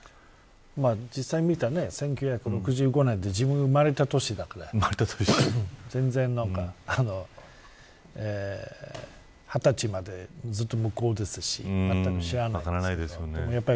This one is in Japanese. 実際見た１９６５年って自分生まれた年だから全然、何か２０歳までずっと向こうですし全くしらなかった。